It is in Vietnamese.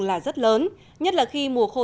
là rất lớn nhất là khi mùa khô